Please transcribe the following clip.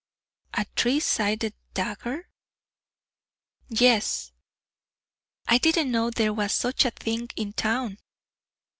"A three sided dagger?" "Yes." "I didn't know there was such a thing in town.